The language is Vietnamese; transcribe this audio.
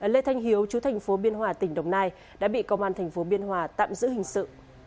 lê thanh hiếu chú thành phố biên hòa tỉnh đồng nai đã bị công an thành phố biên hòa tạm giữ hình sự